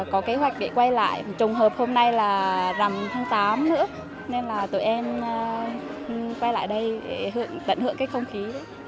có kế hoạch để quay lại trùng hợp hôm nay là rằm tháng tám nữa nên là tụi em quay lại đây để tận hưởng cái không khí đấy